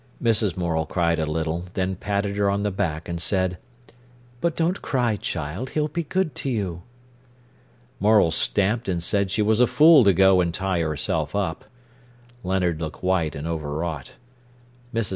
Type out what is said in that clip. Mrs. Morel cried a little, then patted her on the back and said: "But don't cry, child, he'll be good to you." Morel stamped and said she was a fool to go and tie herself up. Leonard looked white and overwrought. Mrs.